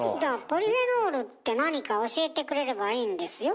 ポリフェノールってなにか教えてくれればいいんですよ？